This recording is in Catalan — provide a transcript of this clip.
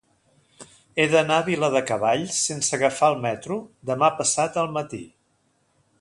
He d'anar a Viladecavalls sense agafar el metro demà passat al matí.